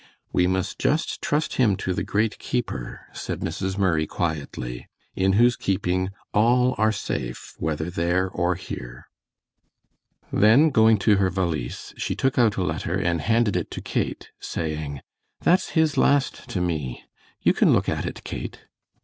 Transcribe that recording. "We must just trust him to the great Keeper," said Mrs. Murray, quietly, "in Whose keeping all are safe whether there or here." Then going to her valise, she took out a letter and handed it to Kate, saying: "That's his last to me. You can look at it, Kate."